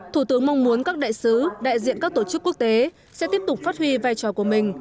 thủ tướng mong muốn các đại sứ đại diện các tổ chức quốc tế sẽ tiếp tục phát huy vai trò của mình